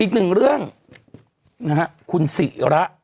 อีกหนึ่งเรื่องนะฮะคุณศิระ